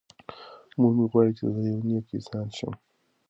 مور مې غواړي چې زه یو نېک انسان شم.